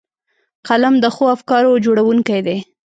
قلم د ښو افکارو جوړوونکی دی